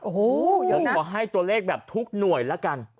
โอ้โหเดี๋ยวขอให้ตัวเลขแบบทุกหน่วยละกัน